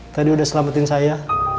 tadi udah selamatin saya